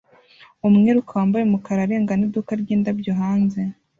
Umwiruka wambaye umukara arengana iduka ryindabyo hanze